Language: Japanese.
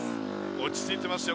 落ち着いてますよ